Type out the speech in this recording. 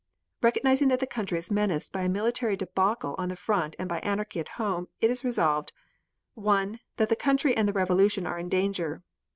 Recognizing that the country is menaced by a military debacle on the front and by anarchy at home, it is resolved: 1. That the country and the revolution are in danger.